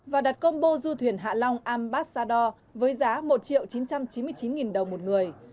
và đặt combo du thuyền hạ long ambassador với giá một triệu chín trăm chín mươi chín nghìn đồng một người